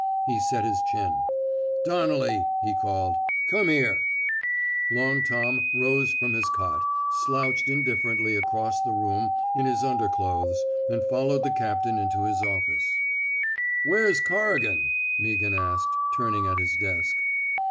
He set his chin. " Donnelly, he called. Come here.'* Long Tom '* rose from his cot, slouched indijBferently across the room in his under clothes, and followed the captain into his office. Where's Corrigan? '* Meaghan asked, turning at his desk.